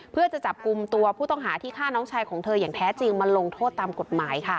เพื่อจะจับกลุ่มตัวผู้ต้องหาที่ฆ่าน้องชายของเธออย่างแท้จริงมาลงโทษตามกฎหมายค่ะ